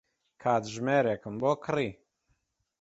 کاتژمێرێکم بۆ کڕی.